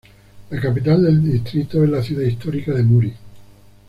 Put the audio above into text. La capital del distrito es la ciudad histórica de Muri.